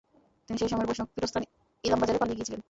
তিনি সেই সময়ের বৈষ্ণব পীঠস্থান ইলামবাজারে পালিয়ে গিয়েছিলেন।